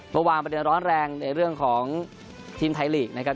ประเด็นร้อนแรงในเรื่องของทีมไทยลีกนะครับ